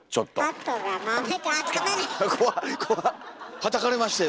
はたかれましたよ